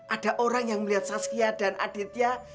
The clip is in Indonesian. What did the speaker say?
ada orang yang melihat saskia dan aditya